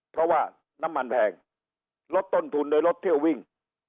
เพราะว่าน้ำมันแพงลดต้นทุนโดยลดเที่ยววิ่ง